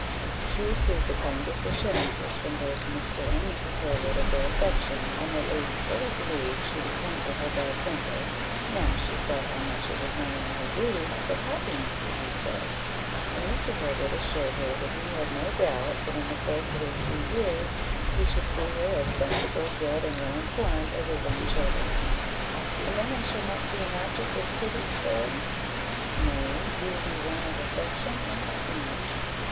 She received the kindest assurances from both Mr. and Mrs. Harewood of their affection, and that they fully believed she would conquer her bad temper, now she saw how much it was not only her duty, but happiness to do so; and Mr. Harewood assured her that he had no doubt, but in the course of a few years, he should see her as sensible, good, and well informed, as his own children. "And then I shall not be an object of pity, sir?" "No, you will be one of affection and esteem."